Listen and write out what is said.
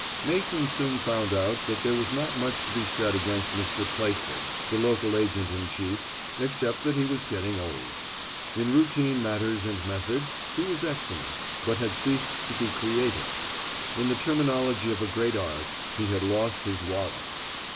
Mason soon found out that there was not much to be said against Mr. Plaisted, the local agent in chief, except that he was getting old. In routine matters and methods he was excellent, but had ceased to be creative. In the terminology of a great art, he had lost his wallop.